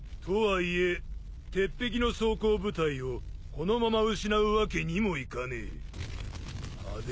とはいえ鉄壁の装甲部隊をこのまま失うわけにもいかねえ。